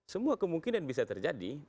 semua kemungkinan bisa terjadi